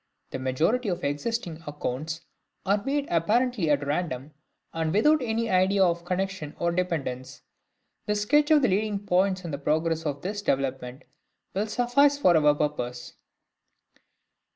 The majority of existing accounts are made apparently at random, and without any idea of connection or dependence. A sketch of the leading points in the progress of this development will suffice for our purpose.